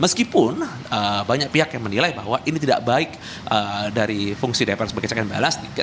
meskipun banyak pihak yang menilai bahwa ini tidak baik dari fungsi dpr sebagai check and balans